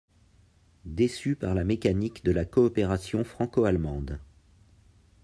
Déçu par la mécanique de la coopération franco-allemande.